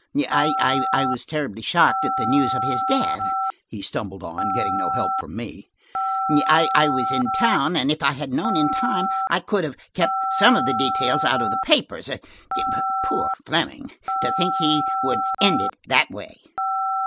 "I was terribly shocked at the news of his death," he stumbled on, getting no help from me. "I was in town and if I had known in time I could have kept some of the details out of the papers. Poor Fleming–to think he would end it that way."